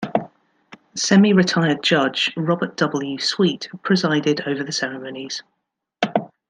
Semi-retired Judge Robert W. Sweet presided over the ceremonies.